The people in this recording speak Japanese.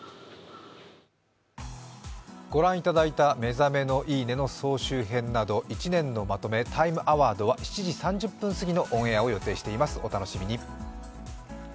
ご覧いただいた「目覚めのいい音」の総集編など１年のまとめ、「タイムアワード」は７時３０分を予定しています。